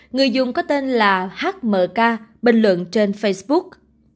người dùng có tên là hmk bình lượng trên facebook